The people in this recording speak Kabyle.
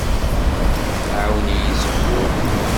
Tɛawen-iyi seg wul.